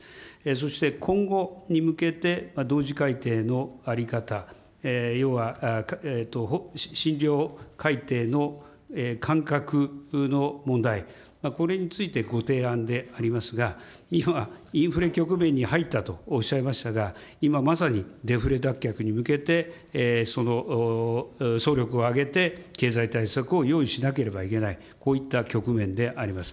そして今後に向けて、同時改定の在り方、要は診療改定の間隔の問題、これについてご提案でありますが、今、インフレ局面に入ったといいましたが、今まさにデフレ脱却に向けて、総力を挙げて経済対策を用意しなければいけない、こういった局面であります。